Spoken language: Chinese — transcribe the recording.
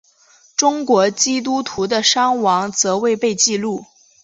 中国基督徒的伤亡则未被记录。